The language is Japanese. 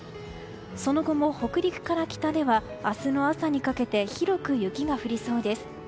その後も、北陸から北では明日の朝にかけて広く雪が降りそうです。